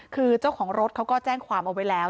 คือเจ้าของรถเขาก็แจ้งความเอาไว้แล้ว